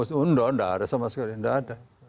undang tidak ada sama sekali tidak ada